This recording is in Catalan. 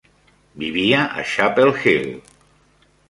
Vivia a Chapel Hill.